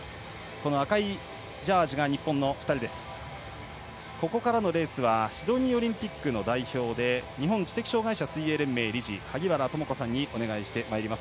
ここからのレースはシドニーオリンピックの代表で日本知的障害者水泳連盟理事萩原智子さんにお願いしてまいります。